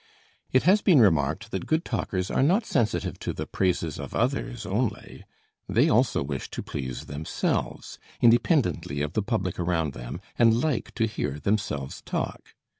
It has been remarked that good talkers are not sensitive to the praises of others only: they also wish to please themselves, independently of the public around them; and like to hear themselves talk.